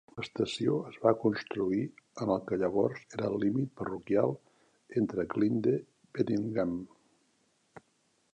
L'estació es va construir en el que llavors era el límit parroquial entre Glynde i Beddingham.